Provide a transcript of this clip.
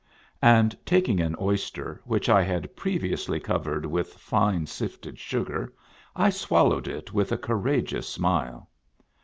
And taking an oyster, which I had previpusly cov ered with fine sifted sugar, I swallowed it with a courageous smile.